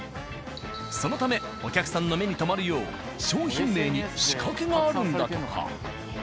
そのためお客さんの目にとまるよう商品名に仕掛けがあるんだとか。